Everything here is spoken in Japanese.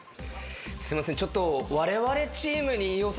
すいませんちょっと。